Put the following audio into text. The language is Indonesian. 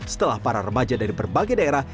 setelah para remaja dari berbagai daerah